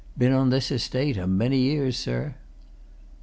"Been on this estate a many years, sir."